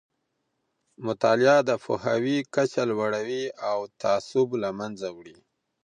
مطالعه د پوهاوي کچه لوړوي او تعصب له منځه وړي.